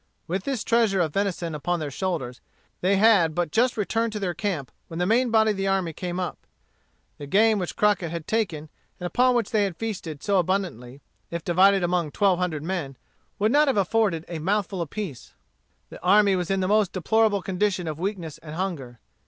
With this treasure of venison upon their shoulders, they had but just returned to their camp when the main body of the army came up. The game which Crockett had taken, and upon which they had feasted so abundantly, if divided among twelve hundred men, would not have afforded a mouthful apiece. The army was in the most deplorable condition of weakness and hunger.